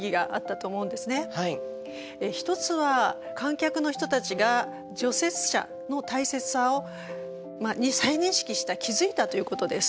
一つは観客の人たちが除雪車の大切さを再認識した気付いたということです。